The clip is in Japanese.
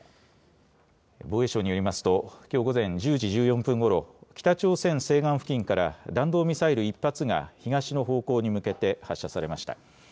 防衛省によりますと、きょう午前１０時１４分ごろ、北朝鮮西岸付近から、弾道ミサイル１発が東の方向に向けて発射されました。